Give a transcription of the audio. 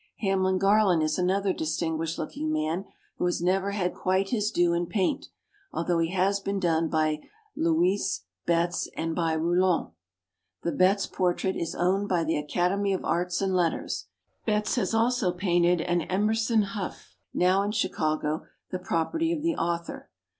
Hamlin Garland is another distinguished looking man who has never had quite his due in paint, al though he has been done by Louis Betts and by Rouland. The Betts por trait is owned by the Academy of Arts and Letters. Betts has also painted an Emerson Hough now in Chicago, the property of the author.